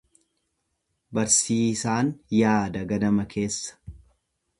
Barsiisaan yaada ganama keessa.